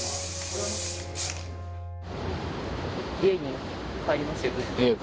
家に帰りますよね？